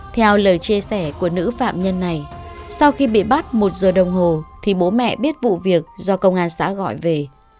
theo lời chia sẻ của nữ phạm nhân này sau khi bị bắt một giờ đồng hồ thì bố mẹ biết vụ việc do công an xã gọi về